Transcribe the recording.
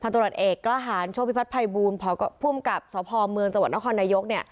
พันตรวจเอกกล้าหารโชคพิพัฒน์ไพบูลพูดกับสภอเมืองจังหวัดนครนายกเนี่ย